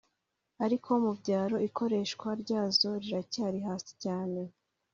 ariko mu byaro ikoreshwa ryazo riracyari hasi cyane.